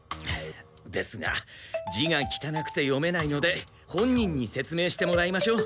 ですが字がきたなくて読めないので本人にせつ明してもらいましょう。